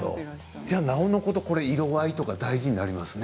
なおのこと色合いが大事になりますね。